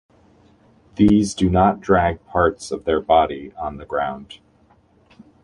These do not drag parts of their body on the ground.